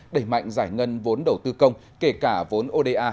đẩy mạnh giải ngân vốn đầu tư công kể cả vốn oda